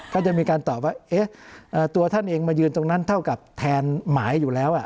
ก็จะมีการตอบว่าตัวท่านเองมายืนตรงนั้นเท่ากับแทนหมายอยู่แล้ว